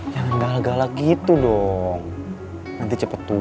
jangan galak galak gitu dong nanti cepet tua